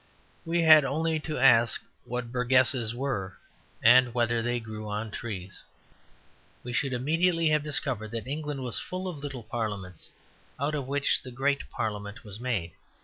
We had only to ask what burgesses were, and whether they grew on trees. We should immediately have discovered that England was full of little parliaments, out of which the great parliament was made.